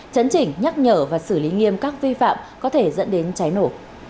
chấn chỉnh nhắc nhở và xử lý nghiêm các vi phạm có thể dẫn đến cháy nổ